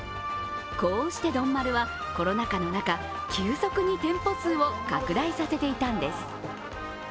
こうして丼丸はコロナ禍の中、急速に店舗数を拡大させていたんです。